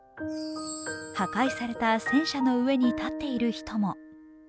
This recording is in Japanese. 破壊された戦車の上に立っている人も。